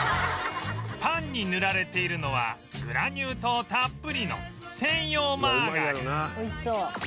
パンに塗られているのはグラニュー糖たっぷりの専用マーガリン美味しそう。